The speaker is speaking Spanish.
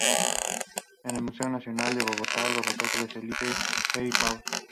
En el Museo Nacional de Bogotá: Los retratos de Felipe J. Paul.